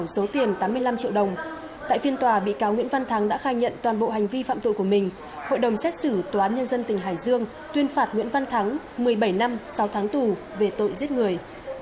xin chào và hẹn gặp lại